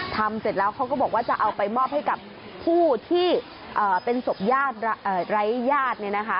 ทำเสร็จแล้วเขาก็บอกว่าจะเอาไปมอบให้กับผู้ที่เป็นศพไร้ญาติ